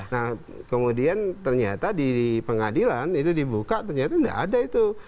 nah kemudian ternyata di pengadilan itu dibuka ternyata tidak ada itu